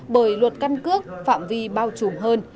bởi luật căn cước phạm vi bao trùm hơn